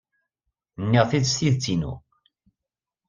Nniɣ-t-id s tidet-inu.